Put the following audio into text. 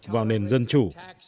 vào nền dân chủ